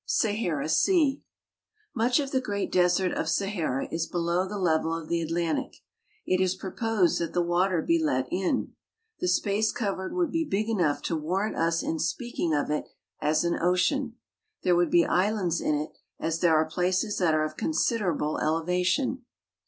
SAHARA SEA. Much of the great desert of Sahara is below the level of the Atlantic. It is proposed that the water be let in. The space covered would be big enough to warrant us in speaking of it as an ocean. There would be islands in it, as there are places that are of considerable elevation.